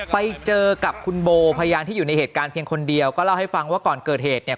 ไปเจอกับคุณโบพยานที่อยู่ในเหตุการณ์เพียงคนเดียวก็เล่าให้ฟังว่าก่อนเกิดเหตุเนี่ย